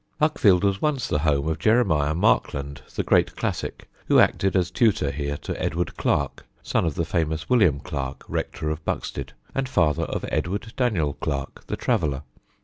Uckfield was once the home of Jeremiah Markland, the great classic, who acted as tutor here to Edward Clarke, son of the famous William Clarke, rector of Buxted, and father of Edward Daniel Clarke, the traveller.